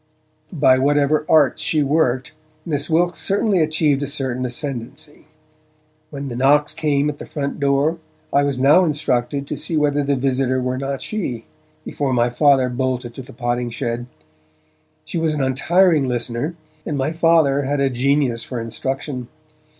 By whatever arts she worked, Miss Wilkes certainly achieved a certain ascendancy. When the knocks came at the front door, I was now instructed to see whether the visitor were not she, before my Father bolted to the potting shed. She was an untiring listener, and my Father had a genius for instruction.